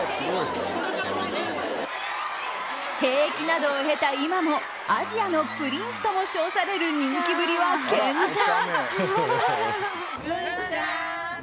兵役などを経た今もアジアのプリンスとも称される人気ぶりは健在。